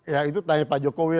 ya itu tanya pak jokowi